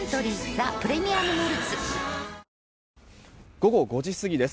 午後５時過ぎです。